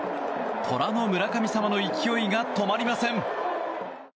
虎の村神様の勢いが止まりません。